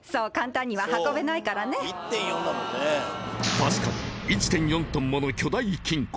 確かに１．４トンもの巨大金庫